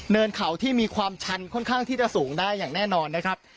เขาที่มีความชันค่อนข้างที่จะสูงได้อย่างแน่นอนนะครับ